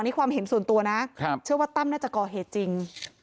นี่ความเห็นส่วนตัวนะเชื่อว่าตั้มน่าจะก่อเหตุจริง